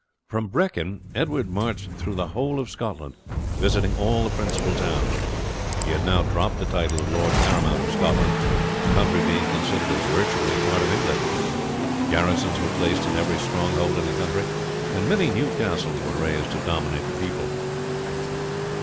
From Brechin Edward marched through the whole of Scotland, visiting all the principal towns. He had now dropped the title of Lord Paramount of Scotland, the country being considered as virtually part of England. Garrisons were placed in every stronghold in the country, and many new castles were raised to dominate the people.